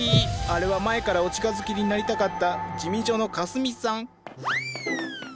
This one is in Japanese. あれは前からお近づきになりたかった地味女のかすみさん。